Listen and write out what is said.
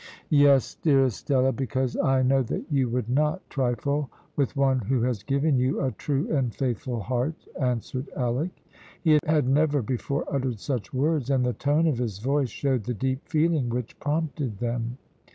"Yes, dearest Stella because I know that you would not trifle with one who has given you a true and faithful heart," answered Alick. He had never before uttered such words, and the tone of his voice showed the deep feeling which prompted them.